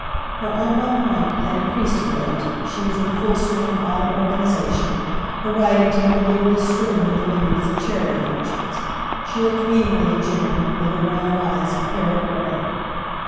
Her embonpoint had increased of late; she was in the full swing of autumn organization, her writing table literally strewn with the menus of charity functions. She looked meaningly at June, with her round eyes of parrot grey.